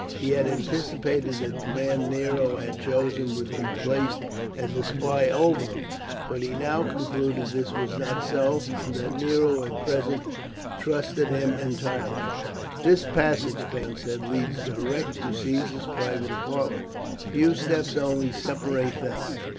He had anticipated that the man Nero had chosen would be placed as a spy over him; but he now concluded this was not so, and that Nero at present trusted him entirely. "This passage," Phaon said, "leads direct to Caesar's private apartment, a few steps only separate them.